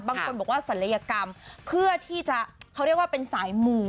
บางคนบอกว่าศัลยกรรมเพื่อที่จะเขาเรียกว่าเป็นสายหมู่